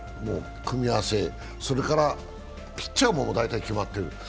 組み合わせ、それからピッチャーも大体決まってる。